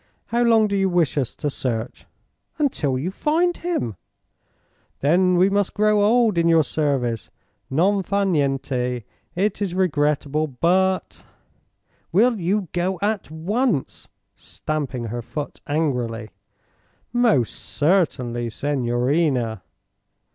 "How long do you wish us to search?" "Until you find him." "Then must we grow old in your service. Non fa niente! It is regrettable, but " "Will you go at once?" stamping her foot angrily. "Most certainly, signorina."